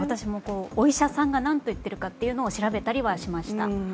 お医者さんが何と言っているかを調べたりはしました。